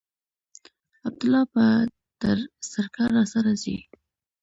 عبدالله به تر سړکه راسره ځي.